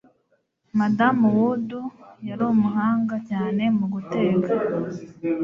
Madamu Wood yari umuhanga cyane mu guteka.